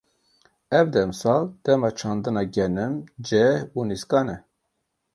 Ev demsal, dema çandina genim, ceh û nîskan e.